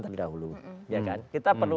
terdahulu ya kan kita perlu